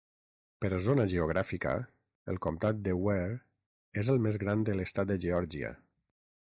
Per zona geogràfica, el Comtat de Ware és el més gran de l'estat de Geòrgia.